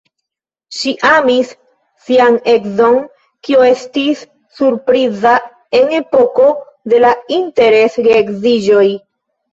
Ŝi amis sian edzon, kio estis surpriza en epoko de la interes-geedziĝoj.